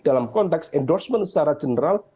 dalam konteks endorsement secara general